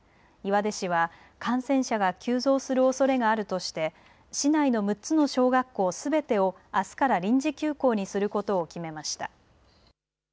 岩出市は感染者が急増するおそれがあるとして市内の６つの小学校すべてをあすから臨時休校にすることを決めました。